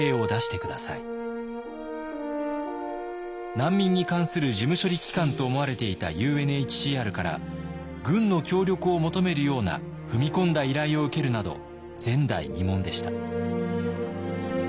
難民に関する事務処理機関と思われていたＵＮＨＣＲから軍の協力を求めるような踏み込んだ依頼を受けるなど前代未聞でした。